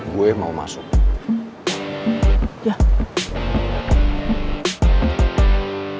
gue mau masuk